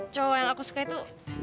cowok yang aku suka itu